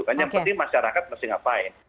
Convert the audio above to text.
kan yang penting masyarakat mesti ngapain